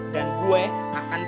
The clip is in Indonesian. dan gue akan paham